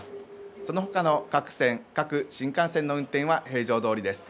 そのほかの各線、各新幹線の運転は平常どおりです。